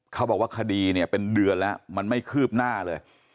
เขาบอกว่าคดีเนี่ยเป็นเดือนแล้วมันไม่คืบหน้าเลย